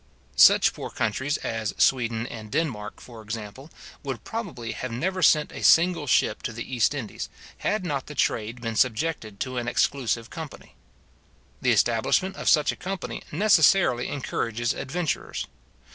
Such poor countries as Sweden and Denmark, for example, would probably have never sent a single ship to the East Indies, had not the trade been subjected to an exclusive company. The establishment of such a company necessarily encourages adventurers.